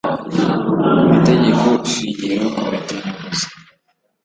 mategeko shingiro komite nyobozi